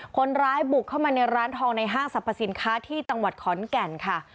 คนร้ายบุกเข้ามาในร้านทองในห้างสรรพสินค้าที่จังหวัดขอนแก่นค่ะ